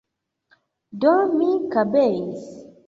Do, mi kabeis.